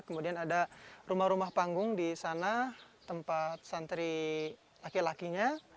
kemudian ada rumah rumah panggung di sana tempat santri laki lakinya